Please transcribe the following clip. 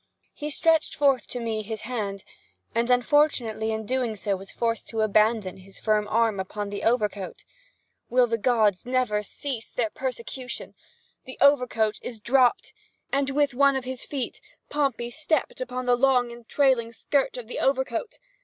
He stretched forth to me his hand, and unfortunately in so doing was forced to abandon his firm hold upon the overcoat. Will the gods never cease their persecution? The overcoat is dropped, and, with one of his feet, Pompey stepped upon the long and trailing skirt of the overcoat.